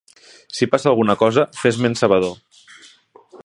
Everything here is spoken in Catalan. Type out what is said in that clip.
Si passa alguna cosa, fes-me'n sabedor.